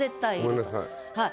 ごめんなさい。